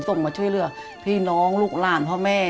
ส่งมาช่วยเหลือพี่น้องลูกหลานพ่อแม่